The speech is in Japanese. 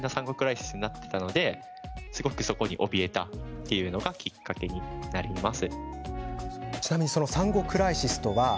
っていうのがきっかけになります。